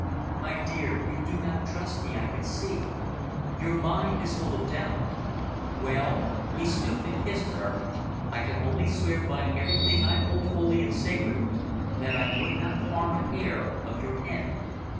"My dear, you do not trust me, I can see. Your mind is full of doubt. Well," he stooped and kissed her "I can only swear by everything I hold holy and sacred that I would not harm a hair of your head."